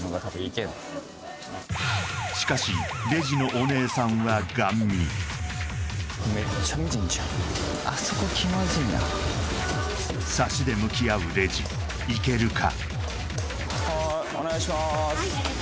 しかしレジのお姉さんはガン見サシで向き合うレジいけるか？